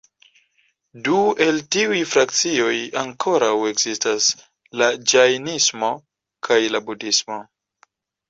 Du el tiuj frakcioj ankoraŭ ekzistas: la ĝajnismo kaj la budhismo.